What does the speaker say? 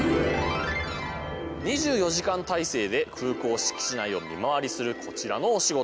２４時間体制で空港敷地内を見回りするこちらのお仕事。